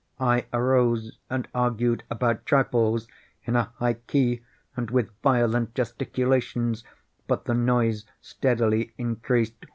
I arose and argued about trifles, in a high key and with violent gesticulations; but the noise steadily increased.